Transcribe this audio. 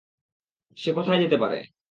সে কোথায় যেতে পারে?